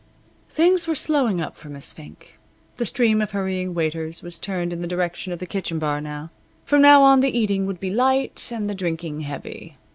Things were slowing up for Miss Fink. The stream of hurrying waiters was turned in the direction of the kitchen bar now. From now on the eating would be light, and the drinking heavy.